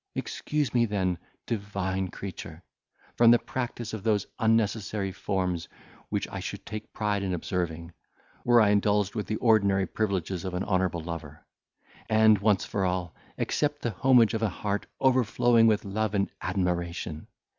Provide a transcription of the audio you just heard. Excuse me, then, divine creature! from the practice of those unnecessary forms, which I should take pride in observing, were I indulged with the ordinary privileges of an honourable lover; and, once for all, accept the homage of an heart overflowing with love and admiration.